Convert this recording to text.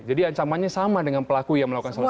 jadi ancamannya sama dengan pelaku yang melakukan selesai